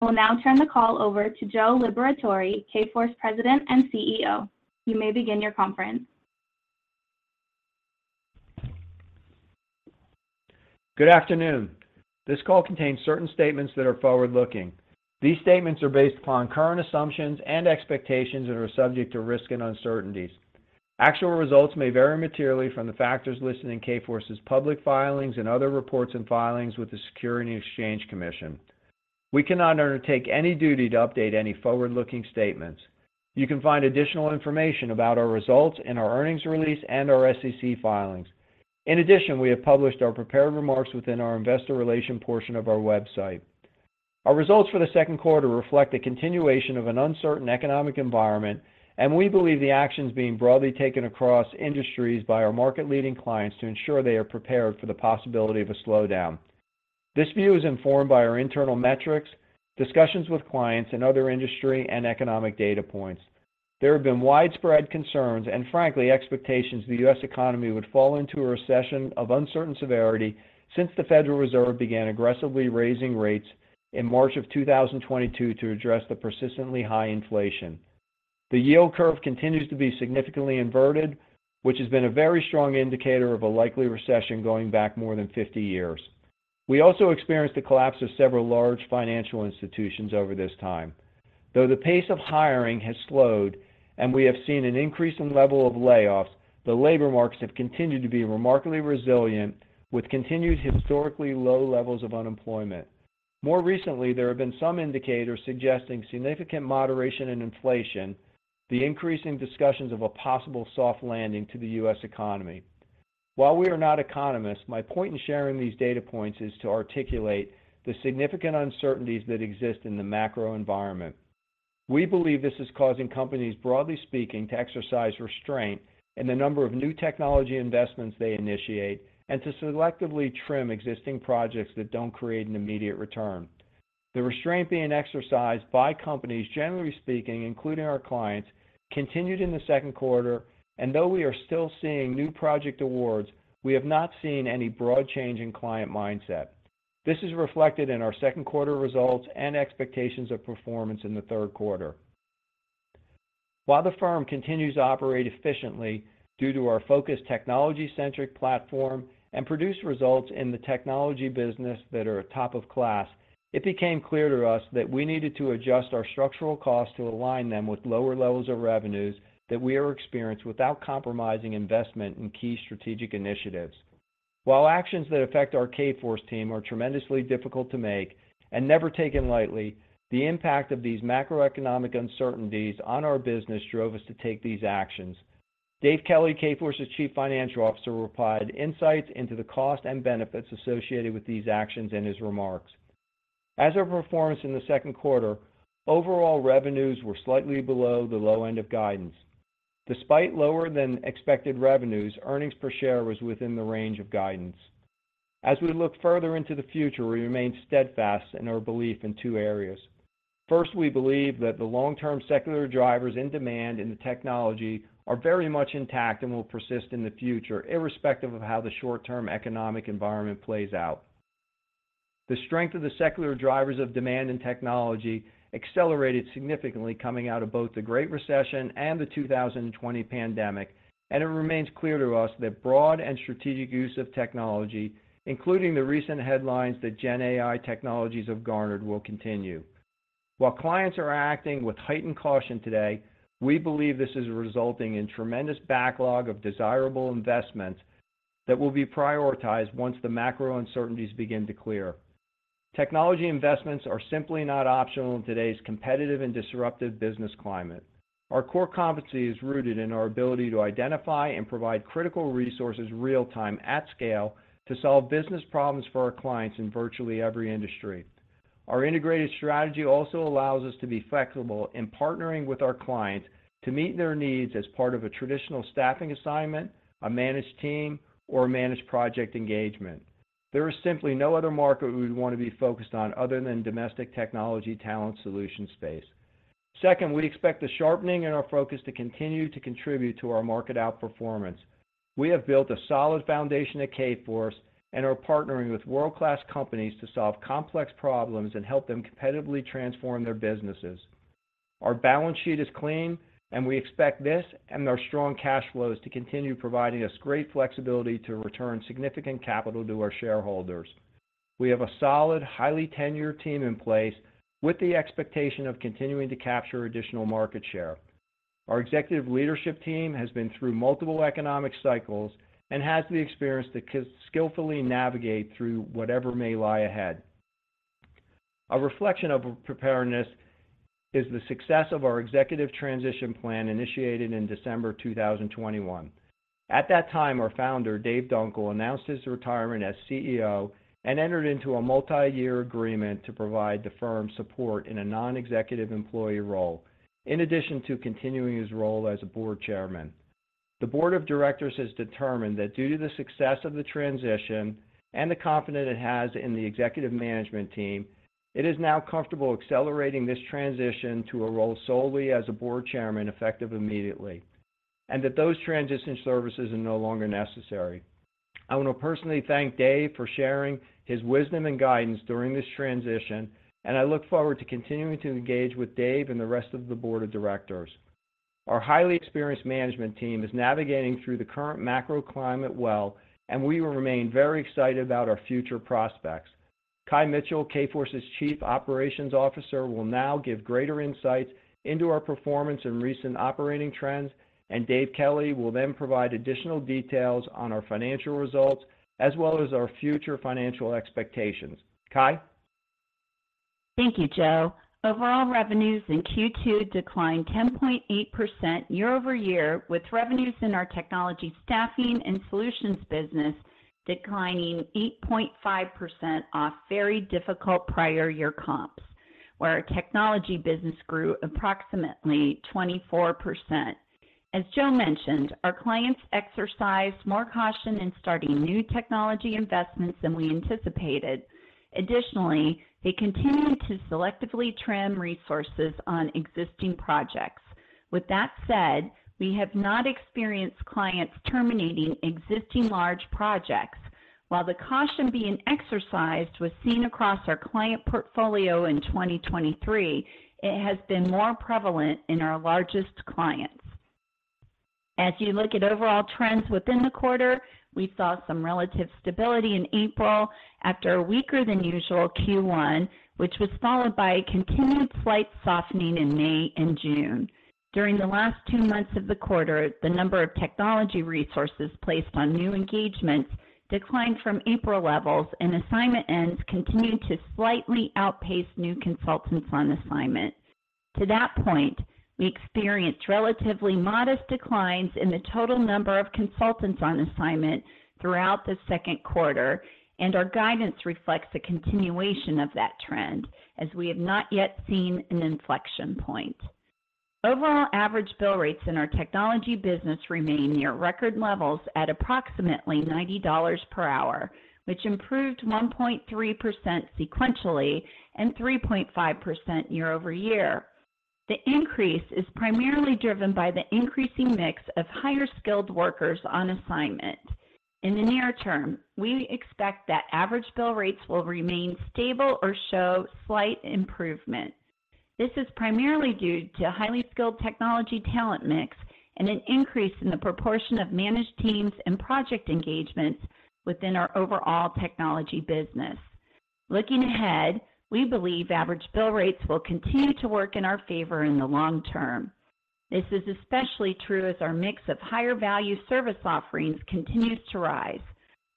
We'll now turn the call over to Joe Liberatore, Kforce President and CEO. You may begin your conference. Good afternoon. This call contains certain statements that are forward-looking. These statements are based upon current assumptions and expectations that are subject to risk and uncertainties. Actual results may vary materially from the factors listed in Kforce's public filings and other reports and filings with the Securities and Exchange Commission. We cannot undertake any duty to update any forward-looking statements. You can find additional information about our results in our earnings release and our SEC filings. In addition, we have published our prepared remarks within our investor relation portion of our website. Our results for the Q2 reflect a continuation of an uncertain economic environment, and we believe the actions being broadly taken across industries by our market-leading clients to ensure they are prepared for the possibility of a slowdown. This view is informed by our internal metrics, discussions with clients, and other industry and economic data points. There have been widespread concerns, and frankly, expectations, the US economy would fall into a recession of uncertain severity since the Federal Reserve began aggressively raising rates in March of 2022 to address the persistently high inflation. The yield curve continues to be significantly inverted, which has been a very strong indicator of a likely recession going back more than 50 years. We also experienced the collapse of several large financial institutions over this time. Though the pace of hiring has slowed and we have seen an increase in level of layoffs, the labor markets have continued to be remarkably resilient, with continued historically low levels of unemployment. More recently, there have been some indicators suggesting significant moderation in inflation, the increasing discussions of a possible soft landing to the US economy. While we are not economists, my point in sharing these data points is to articulate the significant uncertainties that exist in the macro environment. We believe this is causing companies, broadly speaking, to exercise restraint in the number of new technology investments they initiate, and to selectively trim existing projects that don't create an immediate return. The restraint being exercised by companies, generally speaking, including our clients, continued in the Q2, and though we are still seeing new project awards, we have not seen any broad change in client mindset. This is reflected in our Q2 results and expectations of performance in the Q3. While the firm continues to operate efficiently due to our focused technology-centric platform and produce results in the technology business that are top of class, it became clear to us that we needed to adjust our structural costs to align them with lower levels of revenues that we are experienced without compromising investment in key strategic initiatives. While actions that affect our Kforce team are tremendously difficult to make and never taken lightly, the impact of these macroeconomic uncertainties on our business drove us to take these actions. Dave Kelly, Kforce's Chief Financial Officer, provided insights into the cost and benefits associated with these actions in his remarks. As our performance in the Q2, overall revenues were slightly below the low end of guidance. Despite lower than expected revenues, earnings per share was within the range of guidance. As we look further into the future, we remain steadfast in our belief in two areas. First, we believe that the long-term secular drivers in demand in the technology are very much intact and will persist in the future, irrespective of how the short-term economic environment plays out. The strength of the secular drivers of demand and technology accelerated significantly coming out of both the Great Recession and the 2020 pandemic. It remains clear to us that broad and strategic use of technology, including the recent headlines that Gen AI technologies have garnered, will continue. While clients are acting with heightened caution today, we believe this is resulting in tremendous backlog of desirable investments that will be prioritized once the macro uncertainties begin to clear. Technology investments are simply not optional in today's competitive and disruptive business climate. Our core competency is rooted in our ability to identify and provide critical resources real-time, at scale, to solve business problems for our clients in virtually every industry. Our integrated strategy also allows us to be flexible in partnering with our clients to meet their needs as part of a traditional staffing assignment, a managed team, or a managed project engagement. There is simply no other market we would want to be focused on other than domestic technology talent solution space. Second, we expect the sharpening in our focus to continue to contribute to our market outperformance. We have built a solid foundation at Kforce and are partnering with world-class companies to solve complex problems and help them competitively transform their businesses. Our balance sheet is clean, and we expect this and our strong cash flows to continue providing us great flexibility to return significant capital to our shareholders. We have a solid, highly tenured team in place with the expectation of continuing to capture additional market share. Our executive leadership team has been through multiple economic cycles and has the experience to skillfully navigate through whatever may lie ahead. A reflection of preparedness is the success of our executive transition plan initiated in December 2021. At that time, our founder, Dave Dunkel, announced his retirement as CEO and entered into a multi-year agreement to provide the firm support in a non-executive employee role, in addition to continuing his role as a board chairman. The board of directors has determined that due to the success of the transition and the confidence it has in the executive management team, it is now comfortable accelerating this transition to a role solely as a board chairman, effective immediately, and that those transition services are no longer necessary. I want to personally thank Dave for sharing his wisdom and guidance during this transition. I look forward to continuing to engage with Dave and the rest of the board of directors. Our highly experienced management team is navigating through the current macro climate well. We will remain very excited about our future prospects. Kye Mitchell, Kforce's Chief Operations Officer, will now give greater insight into our performance and recent operating trends. Dave Kelly will then provide additional details on our financial results, as well as our future financial expectations. Kye? Thank you, Joe. Overall revenues in Q2 declined 10.8% year-over-year, with revenues in our technology, staffing, and solutions business declining 8.5% off very difficult prior year comps, where our technology business grew approximately 24%. As Joe mentioned, our clients exercised more caution in starting new technology investments than we anticipated. Additionally, they continued to selectively trim resources on existing projects. With that said, we have not experienced clients terminating existing large projects. While the caution being exercised was seen across our client portfolio in 2023, it has been more prevalent in our largest clients. As you look at overall trends within the quarter, we saw some relative stability in April after a weaker than usual Q1, which was followed by a continued slight softening in May and June. During the last two months of the quarter, the number of technology resources placed on new engagements declined from April levels, and assignment ends continued to slightly outpace new consultants on assignment. To that point, we experienced relatively modest declines in the total number of consultants on assignment throughout the Q2, and our guidance reflects a continuation of that trend as we have not yet seen an inflection point. Overall average bill rates in our technology business remain near record levels at approximately $90 per hour, which improved 1.3% sequentially and 3.5% year-over-year. The increase is primarily driven by the increasing mix of higher-skilled workers on assignment. In the near term, we expect that average bill rates will remain stable or show slight improvement. This is primarily due to a highly skilled technology talent mix and an increase in the proportion of managed teams and project engagements within our overall technology business. Looking ahead, we believe average bill rates will continue to work in our favor in the long term. This is especially true as our mix of higher-value service offerings continues to rise.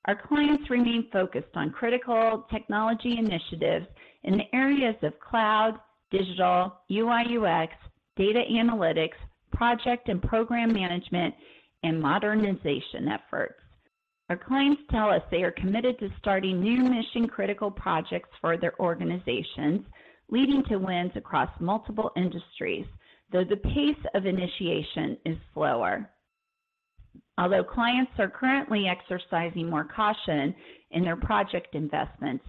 Our clients remain focused on critical technology initiatives in the areas of cloud, digital, UI/UX, data analytics, project and program management, and modernization efforts. Our clients tell us they are committed to starting new mission-critical projects for their organizations, leading to wins across multiple industries, though the pace of initiation is slower. Although clients are currently exercising more caution in their project investments,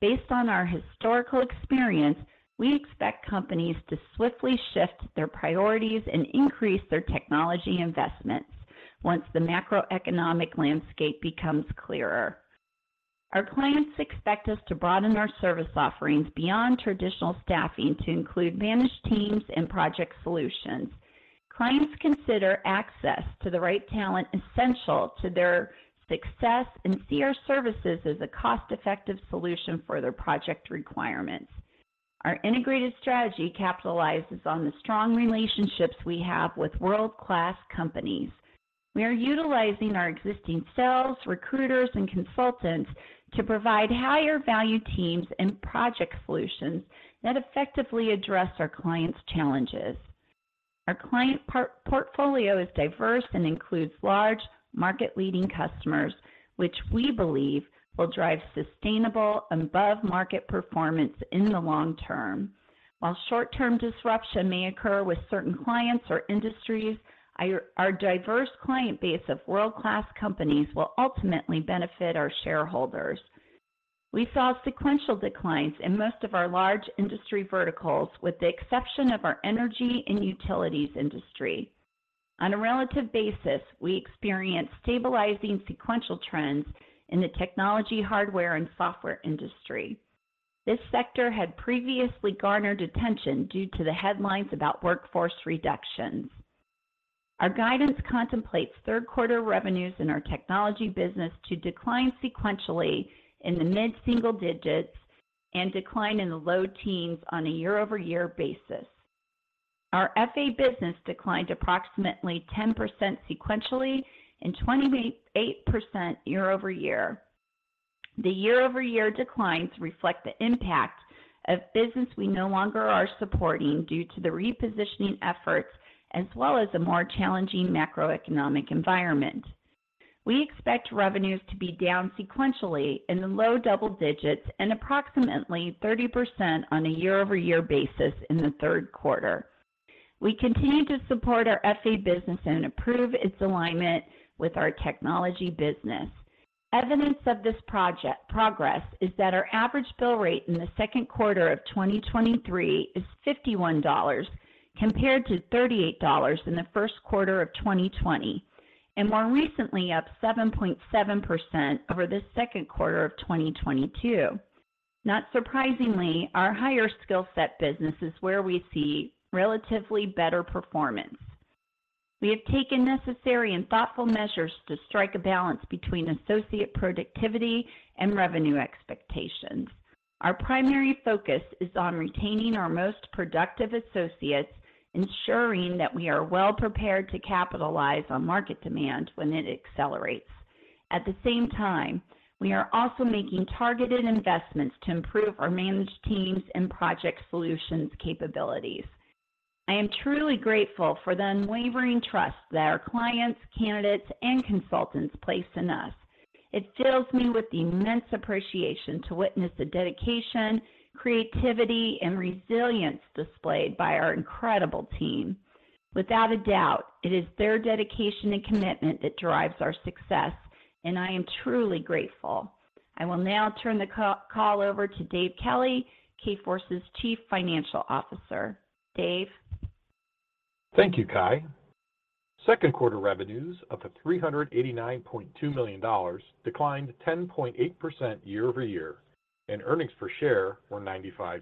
based on our historical experience, we expect companies to swiftly shift their priorities and increase their technology investments once the macroeconomic landscape becomes clearer. Our clients expect us to broaden our service offerings beyond traditional staffing to include managed teams and project solutions. Clients consider access to the right talent essential to their success and see our services as a cost-effective solution for their project requirements. Our integrated strategy capitalizes on the strong relationships we have with world-class companies. We are utilizing our existing sales, recruiters, and consultants to provide higher-value teams and project solutions that effectively address our clients' challenges. Our client portfolio is diverse and includes large, market-leading customers, which we believe will drive sustainable above-market performance in the long term. While short-term disruption may occur with certain clients or industries, our diverse client base of world-class companies will ultimately benefit our shareholders. We saw sequential declines in most of our large industry verticals, with the exception of our energy and utilities industry. On a relative basis, we experienced stabilizing sequential trends in the technology, hardware, and software industry. This sector had previously garnered attention due to the headlines about workforce reductions. Our guidance contemplates Q3 revenues in our technology business to decline sequentially in the mid-single digits and decline in the low teens on a year-over-year basis. Our FA business declined approximately 10% sequentially and 28% year-over-year. The year-over-year declines reflect the impact of business we no longer are supporting due to the repositioning efforts, as well as a more challenging macroeconomic environment. We expect revenues to be down sequentially in the low double digits and approximately 30% on a year-over-year basis in the Q3. We continue to support our FA business and improve its alignment with our technology business. Evidence of this progress is that our average bill rate in the Q2 of 2023 is $51. compared to $38 in the Q1 of 2020 and more recently, up 7.7% over the Q2 of 2022. Not surprisingly, our higher skill set business is where we see relatively better performance. We have taken necessary and thoughtful measures to strike a balance between associate productivity and revenue expectations. Our primary focus is on retaining our most productive associates, ensuring that we are well-prepared to capitalize on market demand when it accelerates. At the same time, we are also making targeted investments to improve our managed teams and project solutions capabilities. I am truly grateful for the unwavering trust that our clients, candidates, and consultants place in us. It fills me with immense appreciation to witness the dedication, creativity, and resilience displayed by our incredible team. Without a doubt, it is their dedication and commitment that drives our success, and I am truly grateful. I will now turn the call over to Dave Kelly, Kforce's Chief Financial Officer. Dave? Thank you, Kye. Q2 revenues of $389.2 million declined 10.8% year-over-year, and earnings per share were $0.95.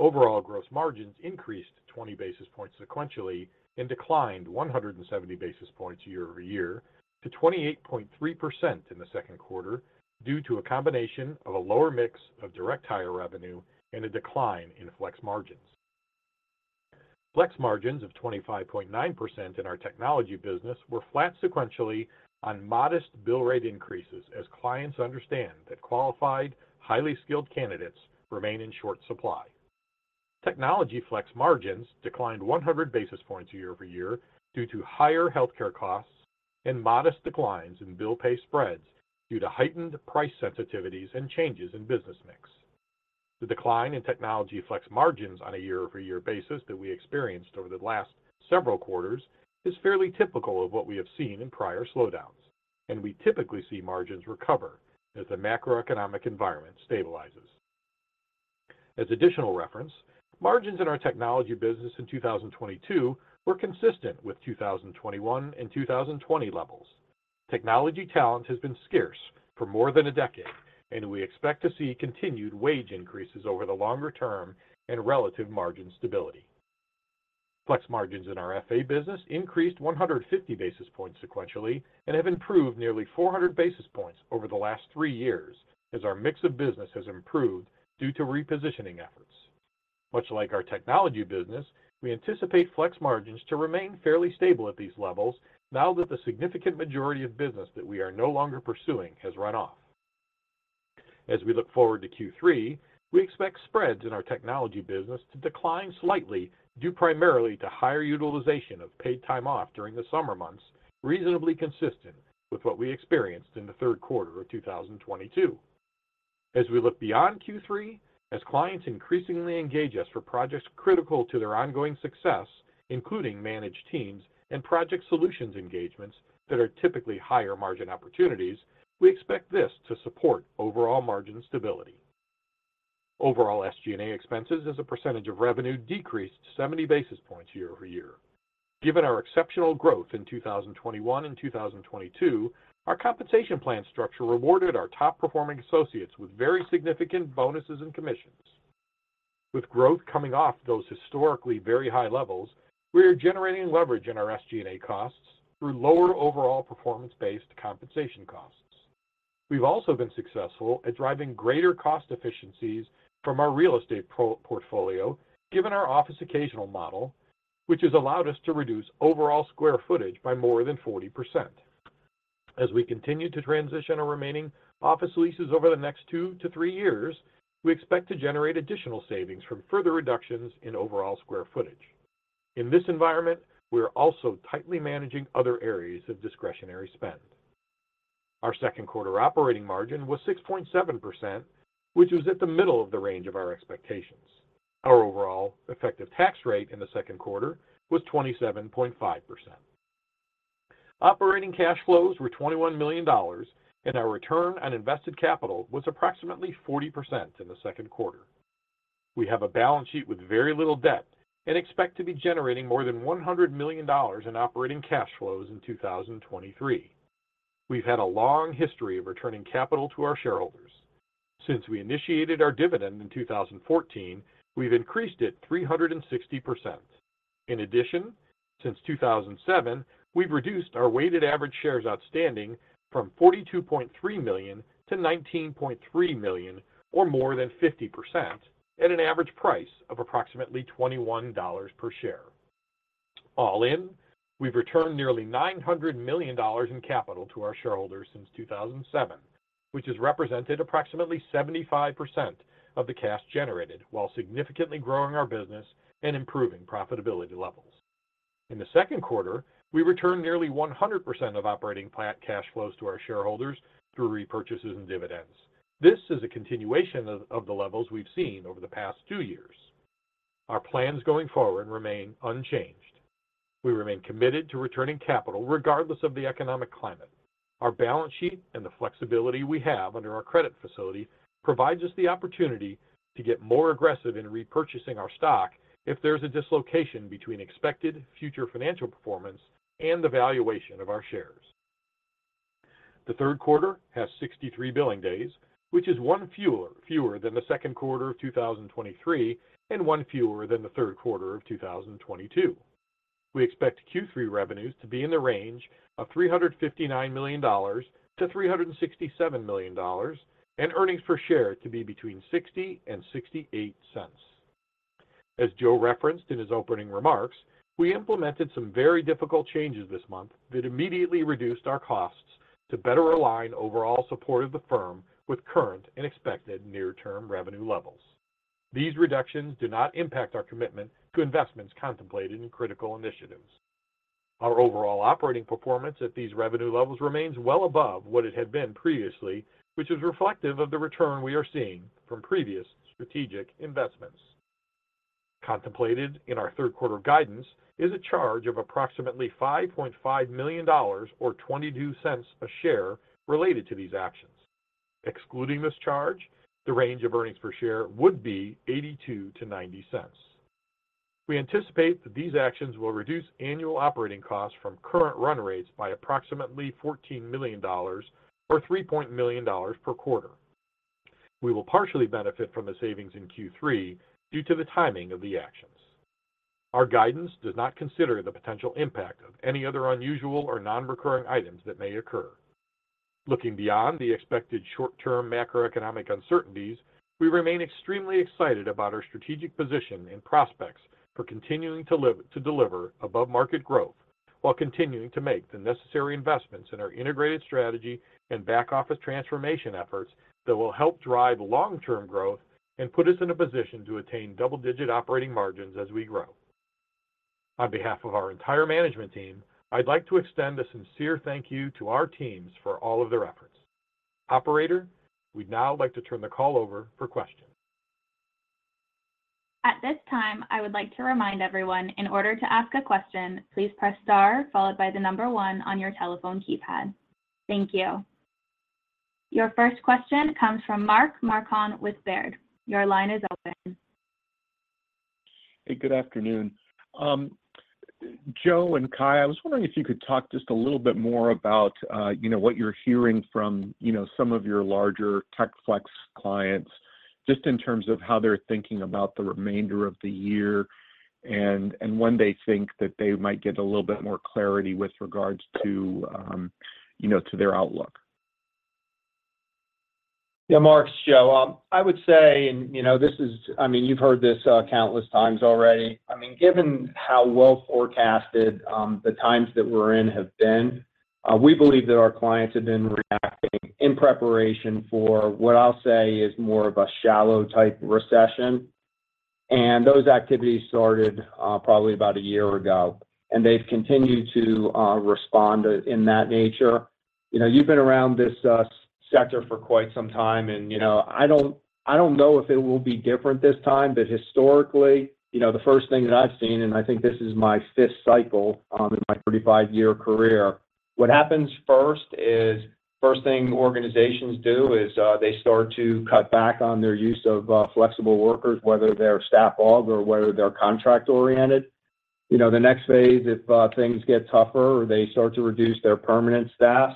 Overall, gross margins increased 20 basis points sequentially and declined 170 basis points year-over-year to 28.3% in the Q2, due to a combination of a lower mix of direct hire revenue and a decline in flex margins. Flex margins of 25.9% in our technology business were flat sequentially on modest bill rate increases, as clients understand that qualified, highly skilled candidates remain in short supply. Technology flex margins declined 100 basis points year-over-year due to higher healthcare costs and modest declines in bill pay spreads, due to heightened price sensitivities and changes in business mix. The decline in Tech Flex margins on a year-over-year basis that we experienced over the last several quarters is fairly typical of what we have seen in prior slowdowns, and we typically see margins recover as the macroeconomic environment stabilizes. As additional reference, margins in our technology business in 2022 were consistent with 2021 and 2020 levels. Technology talent has been scarce for more than a decade, and we expect to see continued wage increases over the longer term and relative margin stability. Flex margins in our FA business increased 150 basis points sequentially and have improved nearly 400 basis points over the last three years as our mix of business has improved due to repositioning efforts. Much like our technology business, we anticipate flex margins to remain fairly stable at these levels now that the significant majority of business that we are no longer pursuing has run off. As we look forward to Q3, we expect spreads in our technology business to decline slightly, due primarily to higher utilization of paid time off during the summer months, reasonably consistent with what we experienced in the Q3 of 2022. As we look beyond Q3, as clients increasingly engage us for projects critical to their ongoing success, including managed teams and project solutions engagements that are typically higher margin opportunities, we expect this to support overall margin stability. Overall, SG&A expenses as a percentage of revenue decreased 70 basis points year-over-year. Given our exceptional growth in 2021 and 2022, our compensation plan structure rewarded our top-performing associates with very significant bonuses and commissions. With growth coming off those historically very high levels, we are generating leverage in our SG&A costs through lower overall performance-based compensation costs. We've also been successful at driving greater cost efficiencies from our real estate portfolio, given our office occasional model, which has allowed us to reduce overall square footage by more than 40%. As we continue to transition our remaining office leases over the next two to threeyears, we expect to generate additional savings from further reductions in overall square footage. In this environment, we are also tightly managing other areas of discretionary spend. Our Q2 operating margin was 6.7%, which was at the middle of the range of our expectations. Our overall effective tax rate in the Q2 was 27.5%. Operating cash flows were $21 million, and our return on invested capital was approximately 40% in the Q2. We have a balance sheet with very little debt and expect to be generating more than $100 million in operating cash flows in 2023. We've had a long history of returning capital to our shareholders. Since we initiated our dividend in 2014, we've increased it 360%. In addition, since 2007, we've reduced our weighted average shares outstanding from 42.3 million to 19.3 million, or more than 50%, at an average price of approximately $21 per share. All in, we've returned nearly $900 million in capital to our shareholders since 2007, which has represented approximately 75% of the cash generated while significantly growing our business and improving profitability levels. In the Q2, we returned nearly 100% of operating cash flows to our shareholders through repurchases and dividends. This is a continuation of the levels we've seen over the past two years. Our plans going forward remain unchanged. We remain committed to returning capital regardless of the economic climate. Our balance sheet and the flexibility we have under our credit facility provides us the opportunity to get more aggressive in repurchasing our stock if there's a dislocation between expected future financial performance and the valuation of our shares. The Q3 has 63 billing days, which is one fewer, fewer than the Q2 of 2023, and one fewer than the Q3 of 2022. We expect Q3 revenues to be in the range of $359 million-$367 million, and earnings per share to be between $0.60 and $0.68. As Joe referenced in his opening remarks, we implemented some very difficult changes this month that immediately reduced our costs to better align overall support of the firm with current and expected near-term revenue levels. These reductions do not impact our commitment to investments contemplated in critical initiatives. Our overall operating performance at these revenue levels remains well above what it had been previously, which is reflective of the return we are seeing from previous strategic investments. Contemplated in our Q3 guidance is a charge of approximately $5.5 million, or $0.22 a share, related to these actions. Excluding this charge, the range of earnings per share would be $0.82-$0.90. We anticipate that these actions will reduce annual operating costs from current run rates by approximately $14 million or $3 million per quarter. We will partially benefit from the savings in Q3 due to the timing of the actions. Our guidance does not consider the potential impact of any other unusual or non-recurring items that may occur. Looking beyond the expected short-term macroeconomic uncertainties, we remain extremely excited about our strategic position and prospects for continuing to deliver above-market growth, while continuing to make the necessary investments in our integrated strategy and back office transformation efforts that will help drive long-term growth and put us in a position to attain double-digit operating margins as we grow. On behalf of our entire management team, I'd like to extend a sincere thank you to our teams for all of their efforts. Operator, we'd now like to turn the call over for questions. At this time, I would like to remind everyone, in order to ask a question, please press star followed by the number one on your telephone keypad. Thank you. Your first question comes from Mark Marcon with Baird. Your line is open. Hey, good afternoon. Joe and Kye, I was wondering if you could talk just a little bit more about, you know, what you're hearing from, you know, some of your larger Tech Flex clients, just in terms of how they're thinking about the remainder of the year, when they think that they might get a little bit more clarity with regards to, you know, to their outlook. Yeah, Mark, it's Joe. I would say, and, you know, this is... you've heard this, countless times already. Given how well forecasted, the times that we're in have been, we believe that our clients have been reacting in preparation for what I'll say is more of a shallow-type recession. Those activities started, probably about a year ago, and they've continued to respond in that nature. You know, you've been around this sector for quite some time, and, you know, I don't, I don't know if it will be different this time, but historically, you know, the first thing that I've seen, and I think this is my fifth cycle, in my 35-year career, what happens first is, first thing organizations do is, they start to cut back on their use of flexible workers, whether they're staff aug or whether they're contract-oriented. You know, the next phase, if things get tougher, they start to reduce their permanent staff.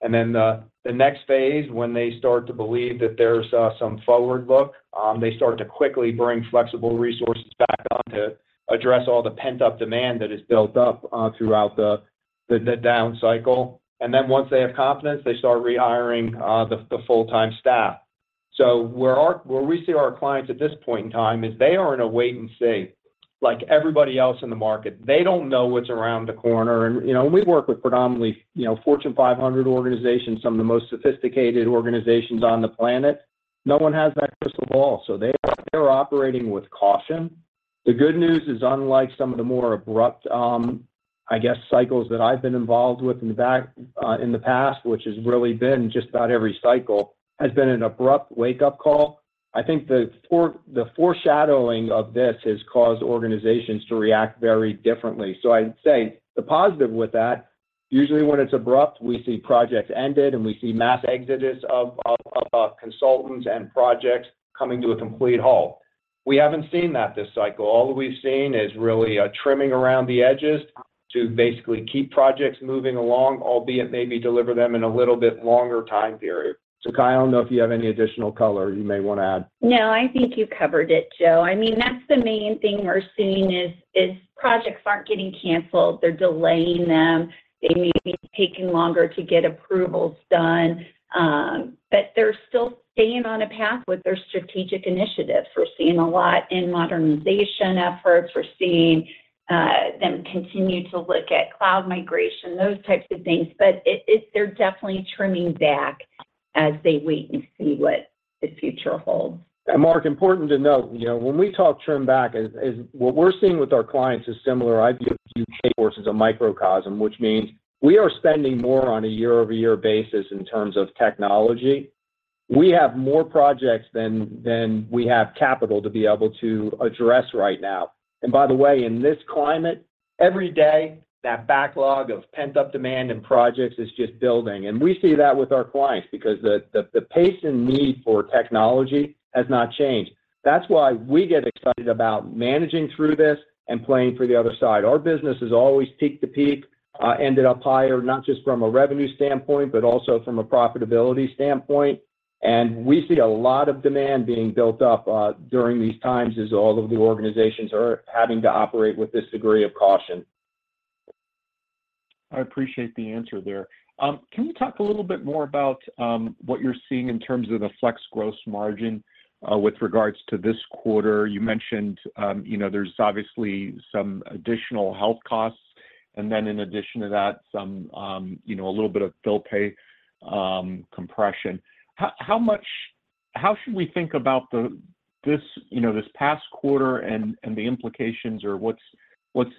The next phase, when they start to believe that there's some forward look, they start to quickly bring flexible resources back on to address all the pent-up demand that is built up throughout the down cycle. Then once they have confidence, they start rehiring, the, the full-time staff. Where our- where we see our clients at this point in time is they are in a wait and see. Like everybody else in the market, they don't know what's around the corner. You know, we work with predominantly, you know, Fortune 500 organizations, some of the most sophisticated organizations on the planet. No one has that crystal ball, so they, they're operating with caution. The good news is, unlike some of the more abrupt, I guess, cycles that I've been involved with in the back, in the past, which has really been just about every cycle, has been an abrupt wake-up call. I think the for- the foreshadowing of this has caused organizations to react very differently. I'd say the positive with that, usually when it's abrupt, we see projects ended, and we see mass exodus of consultants and projects coming to a complete halt. We haven't seen that this cycle. All we've seen is really a trimming around the edges to basically keep projects moving along, albeit maybe deliver them in a little bit longer time period. Kye, I don't know if you have any additional color you may want to add. No, I think you covered it, Joe. I mean, that's the main thing we're seeing is, is projects aren't getting canceled. They're delaying them. They may be taking longer to get approvals done, but they're still staying on a path with their strategic initiatives. We're seeing a lot in modernization efforts. We're seeing them continue to look at cloud migration, those types of things, but it, it, they're definitely trimming back as they wait and see what the future holds. Mark, important to note, you know, when we talk trim back, as what we're seeing with our clients is similar. I view Kforce as a microcosm, which means we are spending more on a year-over-year basis in terms of technology. We have more projects than, than we have capital to be able to address right now. By the way, in this climate, every day, that backlog of pent-up demand and projects is just building. We see that with our clients because the, the, the patient need for technology has not changed. That's why we get excited about managing through this and playing for the other side. Our business is always peak to peak, ended up higher, not just from a revenue standpoint, but also from a profitability standpoint, and we see a lot of demand being built up during these times as all of the organizations are having to operate with this degree of caution. I appreciate the answer there. Can you talk a little bit more about what you're seeing in terms of the flex gross margin with regards to this quarter? You mentioned, you know, there's obviously some additional health costs, and then in addition to that, some, you know, a little bit of bill pay compression. How much should we think about this, you know, this past quarter and the implications or what's, what's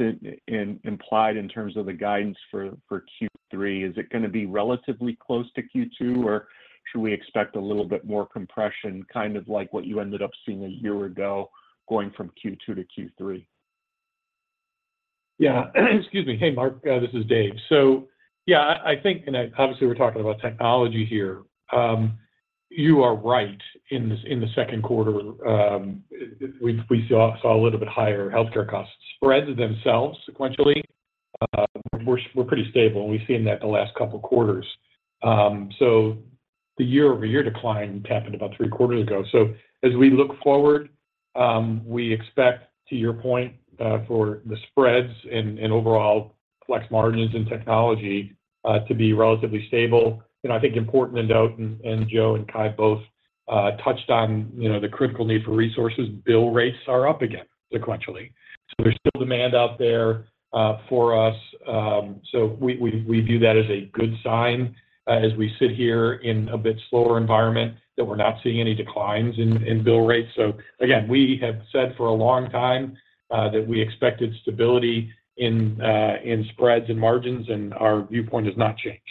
implied in terms of the guidance for Q3? Is it gonna be relatively close to Q2, or should we expect a little bit more compression, kind of like what you ended up seeing a year ago, going from Q2 to Q3? Yeah. Excuse me. Hey, Mark, this is Dave. Yeah, I, I think, and I-- obviously, we're talking about technology here. You are right. In the, in the Q2, we, we saw, saw a little bit higher healthcare costs. Spreads themselves sequentially, we're, we're pretty stable, and we've seen that in the last couple of quarters. The year-over-year decline happened about three quarters ago. As we look forward, we expect, to your point, for the spreads and, and overall flex margins in technology, to be relatively stable. I think important to note, and, and Joe and Kye both, touched on, you know, the critical need for resources, bill rates are up again sequentially. There's still demand out there for us, so we, we, we view that as a good sign, as we sit here in a bit slower environment, that we're not seeing any declines in, in bill rates. Again, we have said for a long time that we expected stability in spreads and margins, and our viewpoint has not changed.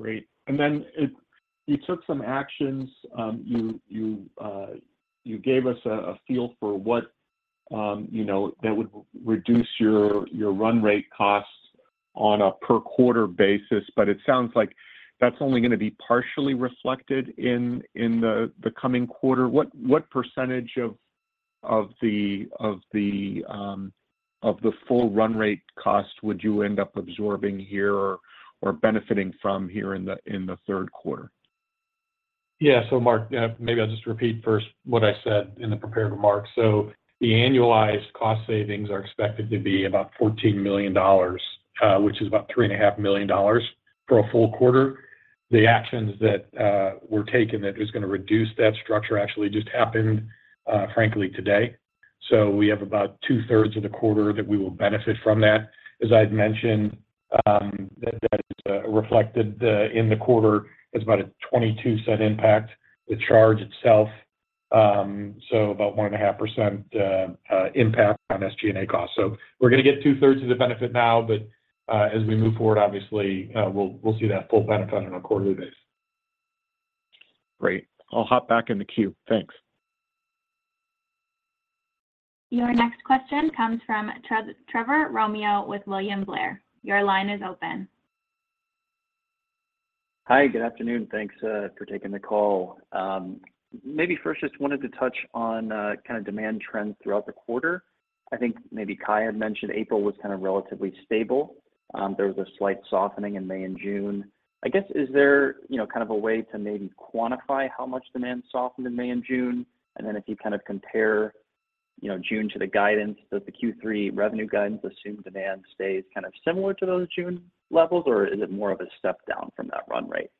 Great. You took some actions, you gave us a feel for what, you know, that would reduce your run rate costs on a per-quarter basis, but it sounds like that's only gonna be partially reflected in the coming quarter. What percentage of the full run rate cost would you end up absorbing here or benefiting from here in the Q3? Yeah. Mark, maybe I'll just repeat first what I said in the prepared remarks. The annualized cost savings are expected to be about $14 million, which is about $3.5 million for a full quarter. The actions that were taken that was gonna reduce that structure actually just happened, frankly, today. We have about two-thirds of the quarter that we will benefit from that. As I'd mentioned, that, that is reflected in the quarter as about a $0.22 impact, the charge itself, about 1.5% impact on SG&A costs. We're gonna get two-thirds of the benefit now, but as we move forward, obviously, we'll, we'll see that full benefit on a quarterly basis. Great. I'll hop back in the queue. Thanks. Your next question comes from Trevor Romeo with William Blair. Your line is open. Hi, good afternoon. Thanks for taking the call. Maybe first, just wanted to touch on kind of demand trends throughout the quarter. I think maybe Kye had mentioned April was kind of relatively stable. There was a slight softening in May and June. I guess, is there, you know, kind of a way to maybe quantify how much demand softened in May and June? Then, if you kind of compare, you know, June to the guidance, does the Q3 revenue guidance assume demand stays kind of similar to those June levels, or is it more of a step down from that run rate?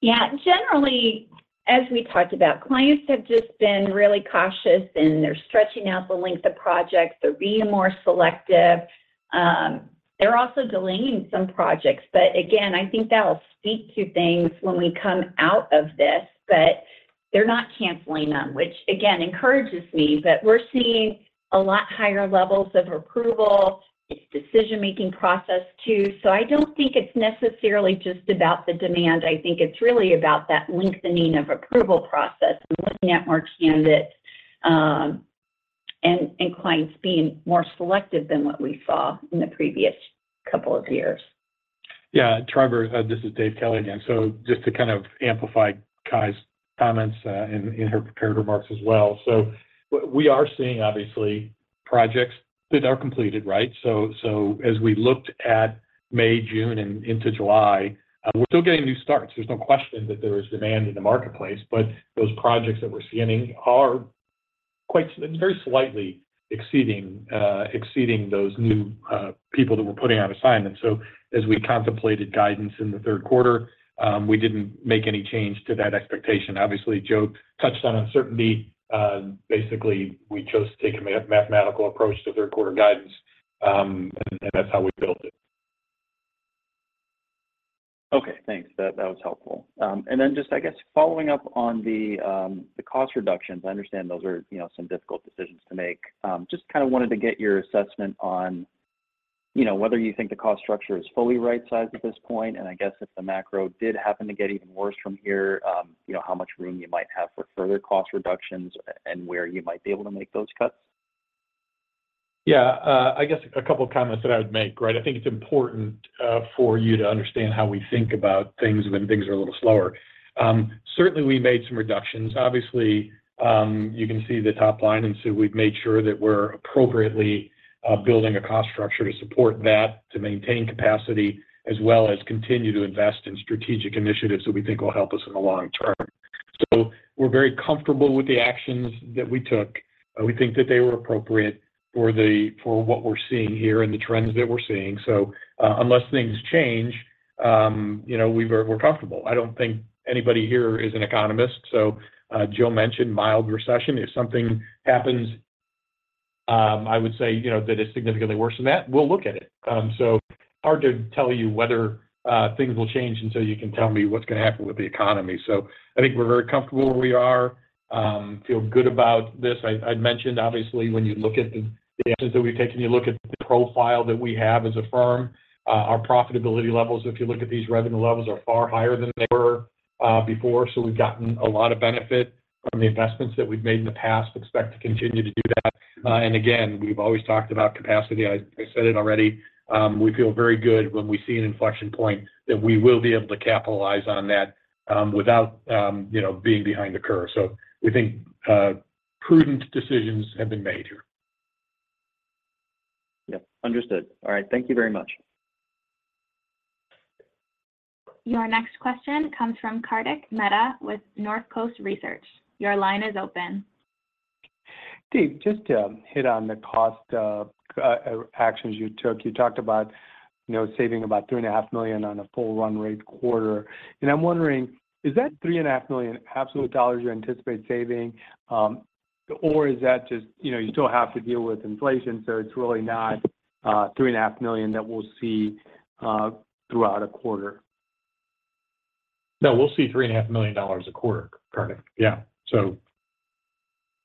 Yeah, generally, as we talked about, clients have just been really cautious, and they're stretching out the length of projects. They're being more selective. They're also delaying some projects, but again, I think that'll speak to things when we come out of this, but they're not canceling them, which again, encourages me that we're seeing a lot higher levels of approval. It's decision-making process, too. I don't think it's necessarily just about the demand. I think it's really about that lengthening of approval process and looking at more candidates, and clients being more selective than what we saw in the previous two years. Yeah, Trevor, this is Dave Kelly again. Just to kind of amplify Kye's comments, in her prepared remarks as well. We are seeing obviously, projects that are completed, right? As we looked at May, June, and into July, we're still getting new starts. There's no question that there is demand in the marketplace, but those projects that we're seeing are very slightly exceeding exceeding those new people that we're putting on assignments. As we contemplated guidance in the third quarter, we didn't make any change to that expectation. Obviously, Joe touched on uncertainty. Basically, we chose to take a mathematical approach to Q3 guidance, and that's how we built it. Okay, thanks. That, that was helpful. Then just I guess following up on the, the cost reductions, I understand those are, you know, some difficult decisions to make. Just kind of wanted to get your assessment on... ... you know, whether you think the cost structure is fully right-sized at this point, and I guess if the macro did happen to get even worse from here, you know, how much room you might have for further cost reductions and where you might be able to make those cuts? Yeah, I guess a couple of comments that I would make, right? I think it's important for you to understand how we think about things when things are a little slower. Certainly, we made some reductions. Obviously, you can see the top line, so we've made sure that we're appropriately building a cost structure to support that, to maintain capacity, as well as continue to invest in strategic initiatives that we think will help us in the long term. We're very comfortable with the actions that we took. We think that they were appropriate for what we're seeing here and the trends that we're seeing. Unless things change, you know, we're, we're comfortable. I don't think anybody here is an economist, so Joe mentioned mild recession. If something happens, I would say, you know, that it's significantly worse than that, we'll look at it. Hard to tell you whether things will change, until you can tell me what's gonna happen with the economy. I think we're very comfortable where we are, feel good about this. I, I'd mentioned, obviously, when you look at the actions that we've taken, you look at the profile that we have as a firm, our profitability levels, if you look at these revenue levels, are far higher than they were before. We've gotten a lot of benefit from the investments that we've made in the past, expect to continue to do that. Again, we've always talked about capacity. I, I said it already, we feel very good when we see an inflection point, that we will be able to capitalize on that, without, you know, being behind the curve. We think prudent decisions have been made here. Yep, understood. All right. Thank you very much. Your next question comes from Kartik Mehta with Northcoast Research. Your line is open. Steve, just to hit on the cost actions you took. You talked about, you know, saving about $3.5 million on a full run rate quarter. I'm wondering, is that $3.5 million absolute dollars you anticipate saving, or is that just, you know, you still have to deal with inflation, so it's really not $3.5 million that we'll see throughout a quarter? No, we'll see $3.5 million a quarter, Kartik. Yeah.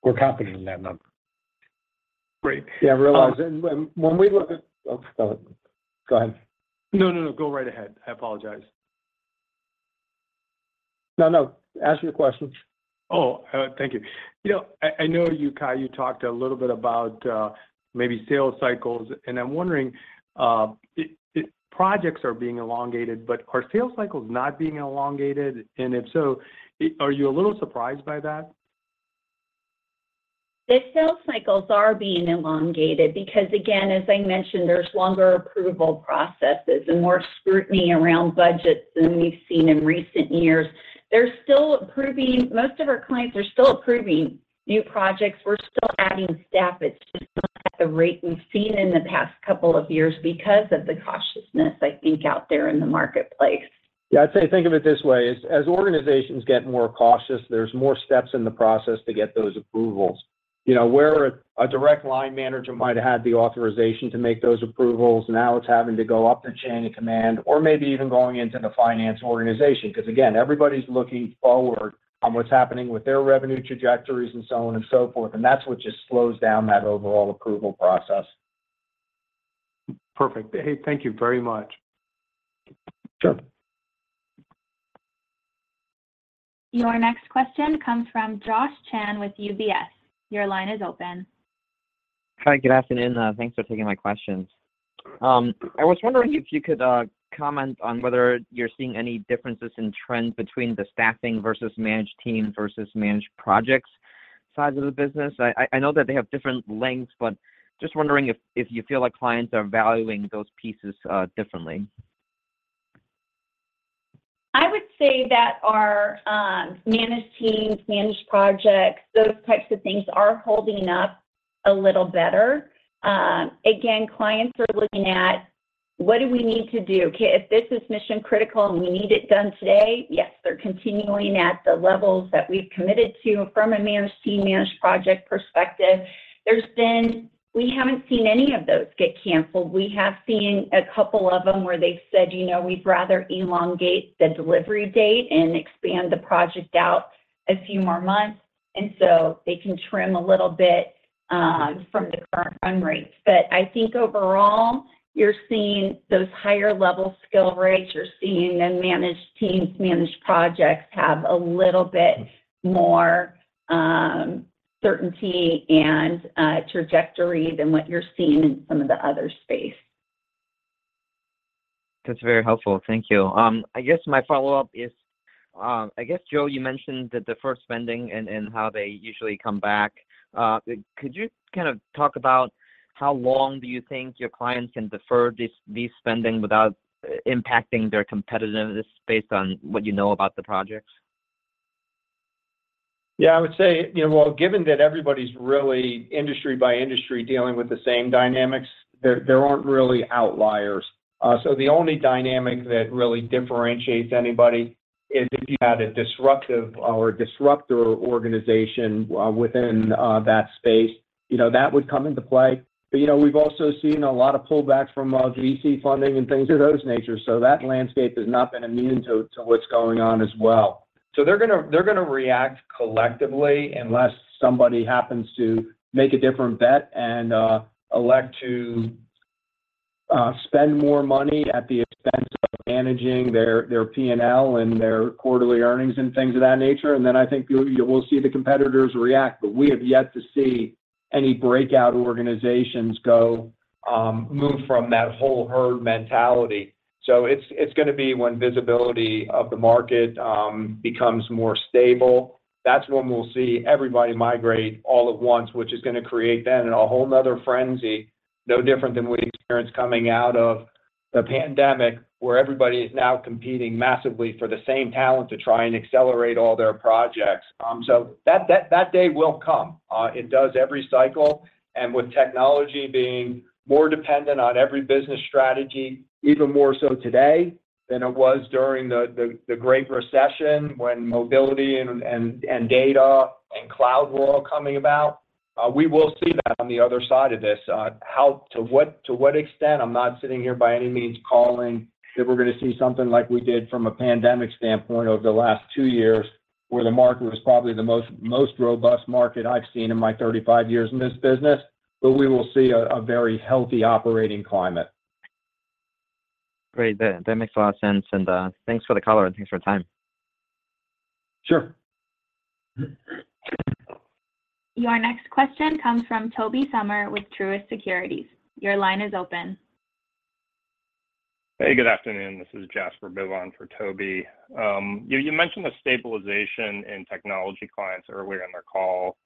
We're confident in that number. Great. Yeah, I realize, and when, when we look at... Oh, go ahead. No, no, no. Go right ahead. I apologize. No, no. Ask your questions. Oh, thank you. You know, I, I know you, Kye, you talked a little bit about, maybe sales cycles, and I'm wondering, Projects are being elongated, but are sales cycles not being elongated? If so, are you a little surprised by that? The sales cycles are being elongated because, again, as I mentioned, there's longer approval processes and more scrutiny around budgets than we've seen in recent years. Most of our clients are still approving new projects. We're still adding staff. It's just not at the rate we've seen in the past couple of years because of the cautiousness, I think, out there in the marketplace. Yeah, I'd say think of it this way: as, as organizations get more cautious, there's more steps in the process to get those approvals. You know, where a, a direct line manager might have had the authorization to make those approvals, now it's having to go up the chain of command or maybe even going into the finance organization. Again, everybody's looking forward on what's happening with their revenue trajectories and so on and so forth, and that's what just slows down that overall approval process. Perfect. Hey, thank you very much. Sure. Your next question comes from Josh Chan with UBS. Your line is open. Hi, good afternoon. Thanks for taking my questions. I was wondering if you could comment on whether you're seeing any differences in trends between the staffing versus managed team versus managed projects sides of the business. I, I, I know that they have different lengths, but just wondering if, if you feel like clients are valuing those pieces differently. I would say that our managed teams, managed projects, those types of things are holding up a little better. Again, clients are looking at what do we need to do? Okay, if this is mission critical and we need it done today, yes, they're continuing at the levels that we've committed to from a managed team, managed project perspective. We haven't seen any of those get canceled. We have seen a couple of them where they've said, "You know, we'd rather elongate the delivery date and expand the project out a few more months," and so they can trim a little bit from the current run rates. I think overall, you're seeing those higher level skill rates, you're seeing the managed teams, managed projects have a little bit more certainty and trajectory than what you're seeing in some of the other space. That's very helpful. Thank you. I guess my follow-up is, I guess, Joe, you mentioned the deferred spending and, and how they usually come back. Could you kind of talk about how long do you think your clients can defer these, these spending without impacting their competitiveness based on what you know about the projects? Yeah, I would say, you know, well, given that everybody's really industry by industry dealing with the same dynamics, there, there aren't really outliers. The only dynamic that really differentiates anybody is if you had a disruptive or disruptor organization within that space, you know, that would come into play. You know, we've also seen a lot of pullbacks from VC funding and things of those nature. That landscape has not been immune to, to what's going on as well. They're gonna, they're gonna react collectively unless somebody happens to make a different bet and elect to spend more money at the expense of managing their P&L and their quarterly earnings and things of that nature. I think you, you will see the competitors react, but we have yet to see any breakout organizations go move from that whole herd mentality. It's, it's gonna be when visibility of the market becomes more stable. That's when we'll see everybody migrate all at once, which is gonna create then a whole another frenzy, no different than what we experienced coming out of the pandemic, where everybody is now competing massively for the same talent to try and accelerate all their projects. That, that, that day will come. It does every cycle, and with technology being more dependent on every business strategy, even more so today than it was during the Great Recession, when mobility and data and cloud were all coming about. We will see that on the other side of this. How to what extent? I'm not sitting here by any means calling that we're gonna see something like we did from a pandemic standpoint over the last two years, where the market was probably the most, most robust market I've seen in my 35 years in this business, but we will see a very healthy operating climate. Great! That, that makes a lot of sense, and, thanks for the color, and thanks for your time. Sure. Your next question comes from Tobey Sommer with Truist Securities. Your line is open. Hey, good afternoon. This is Jasper Bibb for Toby. You mentioned the stabilization in technology clients earlier in the call.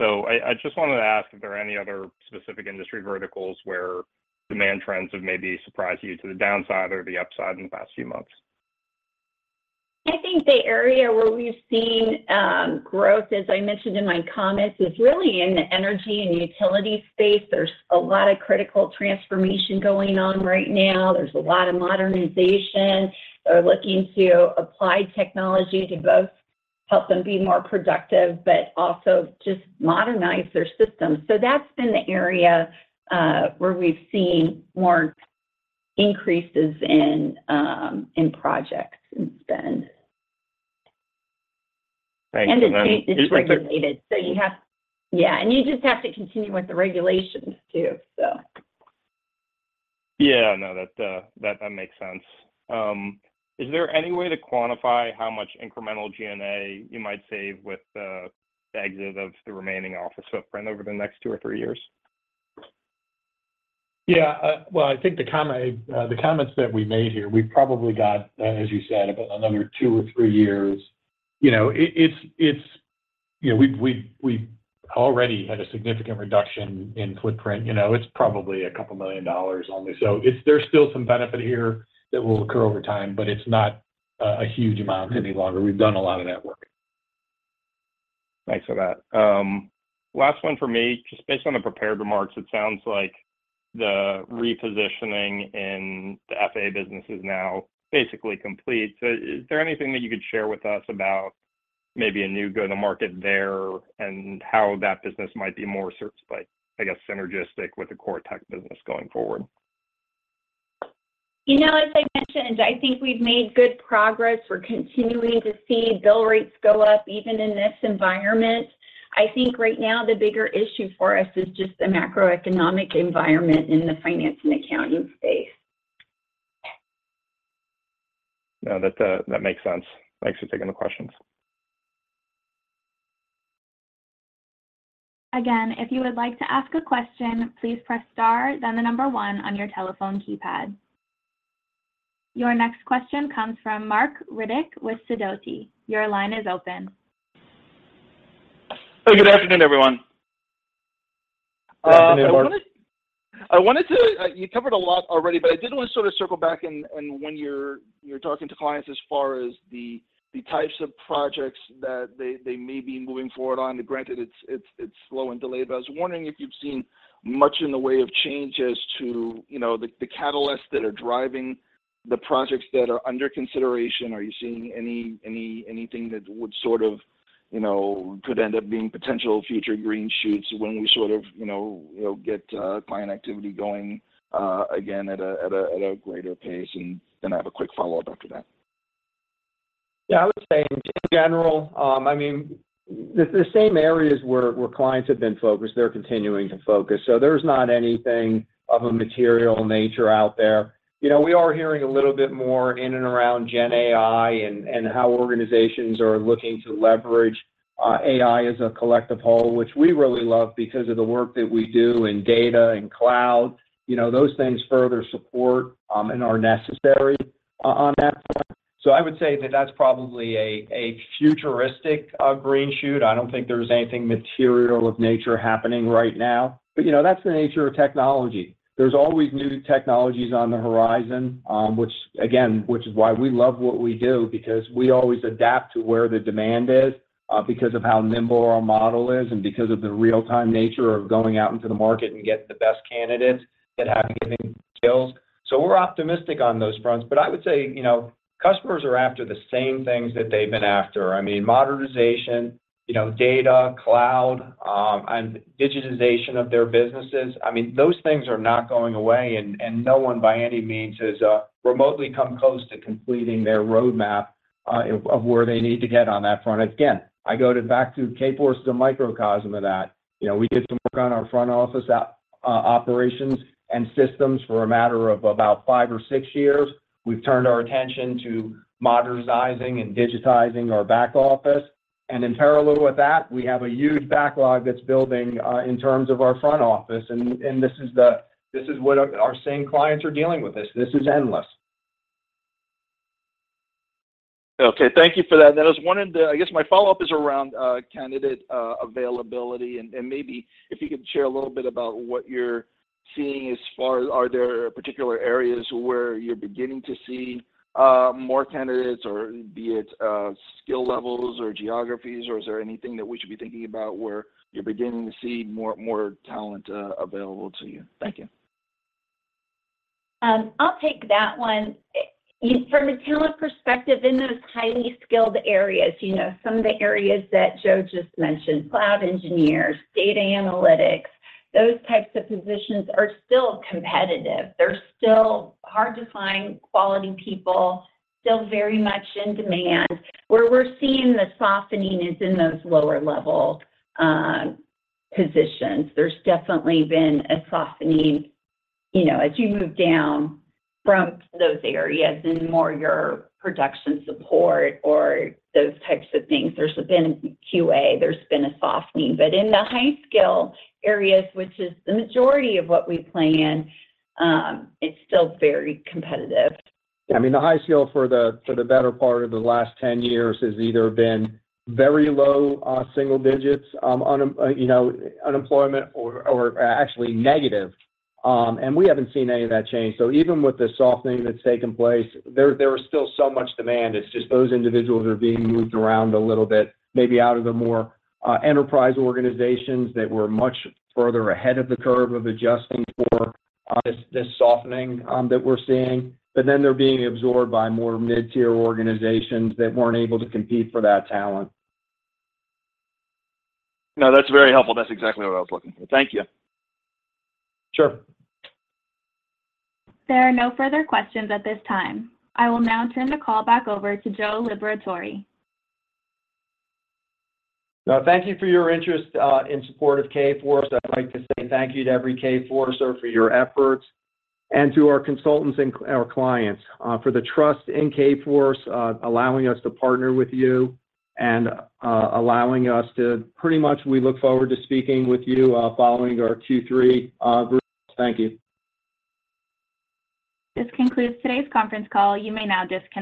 I just wanted to ask if there are any other specific industry verticals where demand trends have maybe surprised you to the downside or the upside in the past few months? I think the area where we've seen growth, as I mentioned in my comments, is really in the energy and utility space. There's a lot of critical transformation going on right now. There's a lot of modernization. They're looking to apply technology to both help them be more productive, but also just modernize their systems. That's been the area where we've seen more increases in projects and spend. Thank you. It's regulated, so you have. Yeah, you just have to continue with the regulations, too. Yeah. No, that, that makes sense. Is there any way to quantify how much incremental G&A you might save with the exit of the remaining office footprint over the next two or three years? Yeah. Well, I think the comment, the comments that we made here, we've probably got, as you said, about another two or three years. You know, it, it's, it's, you know, we've, we've, we've already had a significant reduction in footprint. You know, it's probably $2 million only. There's still some benefit here that will occur over time, but it's not a huge amount any longer. We've done a lot of that work. Thanks for that. Last one for me. Just based on the prepared remarks, it sounds like the repositioning in the FAA business is now basically complete. Is there anything that you could share with us about maybe a new go-to-market there and how that business might be more sort of like, I guess, synergistic with the CoreTech business going forward? You know, as I mentioned, I think we've made good progress. We're continuing to see bill rates go up, even in this environment. I think right now the bigger issue for us is just the macroeconomic environment in the finance and accounting space. Yeah, that, that makes sense. Thanks for taking the questions. Again, if you would like to ask a question, please press star, then the number one on your telephone keypad. Your next question comes from Marc Riddick with Sidoti. Your line is open. Oh, good afternoon, everyone. Good afternoon, Marc. You covered a lot already, but I did want to sort of circle back and when you're talking to clients as far as the types of projects that they may be moving forward on. Granted, it's slow and delayed, but I was wondering if you've seen much in the way of change as to, you know, the catalysts that are driving the projects that are under consideration. Are you seeing anything that would sort of, you know, could end up being potential future green shoots when we sort of, you know, get client activity going again at a greater pace? Then I have a quick follow-up after that. Yeah, I would say in general, I mean, the, the same areas where, where clients have been focused, they're continuing to focus. There's not anything of a material nature out there. You know, we are hearing a little bit more in and around GenAI and, and how organizations are looking to leverage AI as a collective whole, which we really love because of the work that we do in data and cloud. You know, those things further support and are necessary on that front. I would say that that's probably a, a futuristic green shoot. I don't think there's anything material of nature happening right now, but, you know, that's the nature of technology. There's always new technologies on the horizon, which again, which is why we love what we do, because we always adapt to where the demand is, because of how nimble our model is and because of the real-time nature of going out into the market and getting the best candidates that have the given skills. We're optimistic on those fronts, but I would say, you know, customers are after the same things that they've been after. I mean, modernization, you know, data, cloud, and digitization of their businesses. I mean, those things are not going away, no one by any means has remotely come close to completing their roadmap of where they need to get on that front. Again, I go to back to Kforce, the microcosm of that. You know, we did some work on our front office operations and systems for a matter of about five or six years. We've turned our attention to modernizing and digitizing our back office. In parallel with that, we have a huge backlog that's building in terms of our front office. This is what our same clients are dealing with this. This is endless. Okay, thank you for that. That was one of the, I guess my follow-up is around candidate availability, and maybe if you could share a little bit about what you're seeing as far as are there particular areas where you're beginning to see more candidates, or be it skill levels or geographies, or is there anything that we should be thinking about where you're beginning to see more, more talent available to you? Thank you. I'll take that one. From a talent perspective, in those highly skilled areas, you know, some of the areas that Joe just mentioned, cloud engineers, data analytics, those types of positions are still competitive. They're still hard to find quality people, still very much in demand. Where we're seeing the softening is in those lower level positions. There's definitely been a softening, you know, as you move down from those areas and more your production support or those types of things. There's been QA, there's been a softening, but in the high skill areas, which is the majority of what we play in, it's still very competitive. I mean, the high skill for the, for the better part of the last 10 years has either been very low, single digits, you know, unemployment or actually negative. We haven't seen any of that change. Even with the softening that's taken place, there is still so much demand. It's just those individuals are being moved around a little bit, maybe out of the more enterprise organizations that were much further ahead of the curve of adjusting for this softening that we're seeing. Then they're being absorbed by more mid-tier organizations that weren't able to compete for that talent. No, that's very helpful. That's exactly what I was looking for. Thank you. Sure. There are no further questions at this time. I will now turn the call back over to Joe Liberatore. Thank you for your interest in support of Kforce. I'd like to say thank you to every Kforcer for your efforts and to our consultants and our clients for the trust in Kforce, allowing us to partner with you and pretty much, we look forward to speaking with you following our Q3 group. Thank you. This concludes today's conference call. You may now disconnect.